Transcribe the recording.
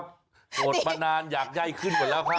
โดดมานานอยากไยก์ขึ้นกว่าแล้วค่ะ